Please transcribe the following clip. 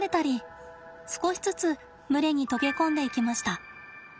少しずつ群れに溶け込んでいきました。